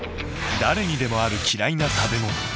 誰にでもある嫌いな食べ物。